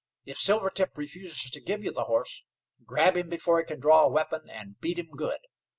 If Silvertip refuses to give you the horse, grab him before he can draw a weapon, and beat him good.